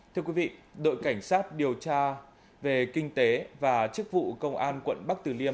thưa quý vị đội cảnh sát điều tra về kinh tế và chức vụ công an quận bắc tử liêm